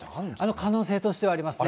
可能性としてはありますね。